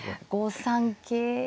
５三桂。